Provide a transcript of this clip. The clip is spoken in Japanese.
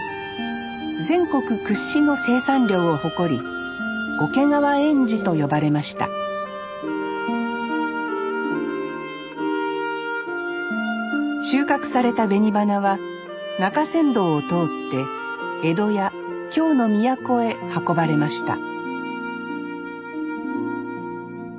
全国屈指の生産量を誇り桶川臙脂と呼ばれました収穫された紅花は中山道を通って江戸や京の都へ運ばれました